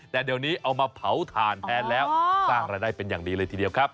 แต่เดี๋ยวนี้เอามาเผาถ่านแทนแล้วสร้างรายได้เป็นอย่างดีเลยทีเดียวครับ